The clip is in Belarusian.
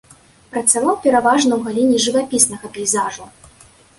Працаваў пераважна ў галіне жывапіснага пейзажу.